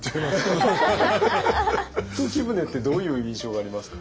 時宗ってどういう印象がありますか？